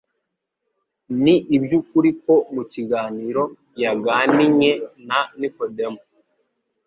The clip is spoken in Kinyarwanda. Ni iby'ukuri ko mu kiganiro yaganinye na Nikodemu